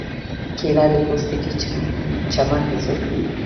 کېله د پوستکي چمک زیاتوي.